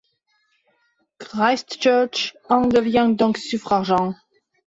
Christchurch en devient donc suffragant.